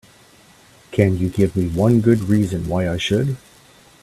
Can you give me one good reason why I should?